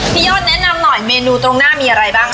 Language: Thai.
ยอดแนะนำหน่อยเมนูตรงหน้ามีอะไรบ้าง